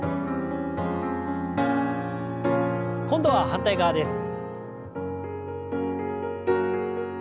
今度は反対側です。